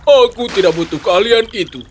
aku tidak butuh keahlian itu